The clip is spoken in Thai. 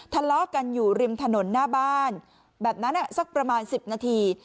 ทะเลาะกันอยู่ริมถนนหน้าบ้านแบบนั้นสักประมาณ๑๐นาที